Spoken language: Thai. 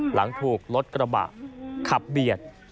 หลังถูกรถกระบะขับเบียด